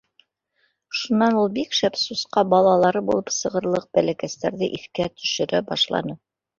Шунан ул бик шәп сусҡа балалары булып сығырлыҡ бәләкәстәрҙе иҫкә төшөрә башланы.